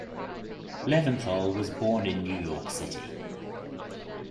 Leventhal was born in New York City.